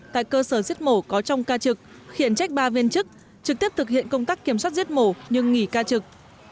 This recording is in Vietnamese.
tại cơ sở giết mổ có trong ca trực khiển trách ba viên chức trực tiếp thực hiện công tác kiểm soát giết mổ nhưng nghỉ ca trực